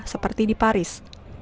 seperti di paris